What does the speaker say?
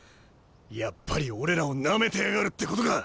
やっぱり俺らをなめてやがるってことか。